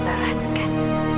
dan di balaskan